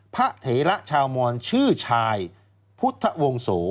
พระเถละชาวมรชื่อชายพุธวงโส